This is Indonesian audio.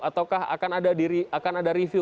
ataukah akan ada review